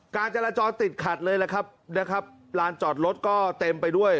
การจราจรติดขัดเลยแหละครับนะครับลานจอดรถก็เต็มไปด้วย